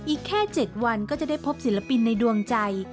อีกแค่๗วันก็จะได้พบศิลปินในดวงใจ